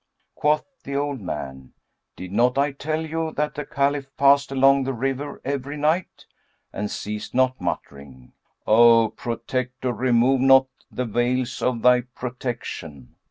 Quoth the old man, "Did not I tell you that the Caliph passed along the river every night?"; and ceased not muttering, "O Protector, remove not the veils of Thy protection!"